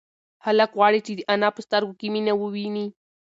هلک غواړي چې د انا په سترگو کې مینه وویني.